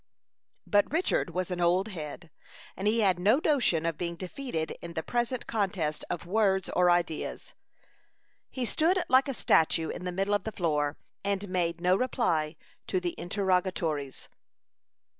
But Richard was an old head, and he had no notion of being defeated in the present contest of words or ideas. He stood like a statue in the middle of the floor, and made no reply to the interrogatories.